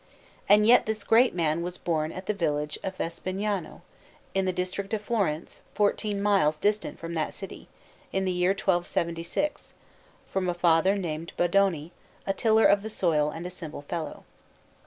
And yet this great man was born at the village of Vespignano, in the district of Florence, fourteen miles distant from that city, in the year 1276, from a father named Bondone, a tiller of the soil and a simple fellow.